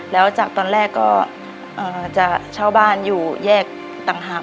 แล้วจากตอนแรกก็จะเช่าบ้านอยู่แยกต่างหาก